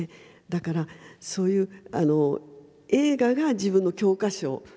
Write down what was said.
だからそういう映画が自分の教科書でした。